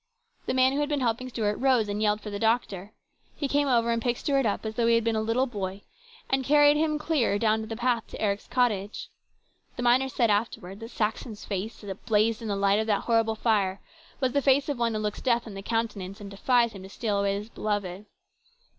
The man who had been helping Stuart rose and yelled for the doctor. He came over and picked up Stuart as though he had been a little boy, and carried him clear down the path to Eric's cottage. The miners said afterwards that Saxon's face, as it blazed in the light of that horrible fire, was the face of one who looked Death in the countenance, and defied him to steal away his beloved.